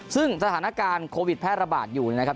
ซึ่งสถานการณ์โควิดแพร่ระบาดอยู่นะครับ